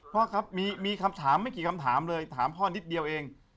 พ่อครับมีคำถามไม่กี่คำถามเลยถามพ่อนิดเดียวเอง